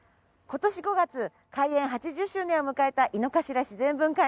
今年５月開園８０周年を迎えた井の頭自然文化園。